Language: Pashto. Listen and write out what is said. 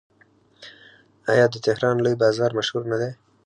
آیا د تهران لوی بازار مشهور نه دی؟